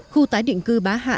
khu tái định cư bá hạ kẻ tắc